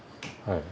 はい。